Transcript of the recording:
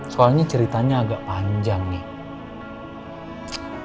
soalnya ceritanya agak panjang nih